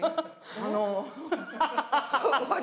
あの。